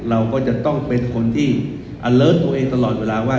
เราก็จะต้องเป็นคนที่อเลิศตัวเองตลอดเวลาว่า